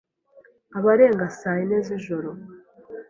abarenga saa yine z’joro